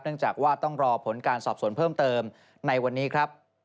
จากว่าต้องรอผลการสอบสวนเพิ่มเติมในวันนี้ครับ